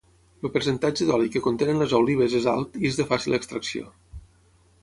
El percentatge d'oli que contenen les olives és alt i és de fàcil extracció.